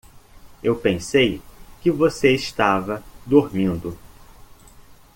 Eu pensei que você estava dormindo.